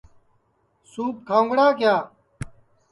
سُوپ کھاؤنگڑا کِیا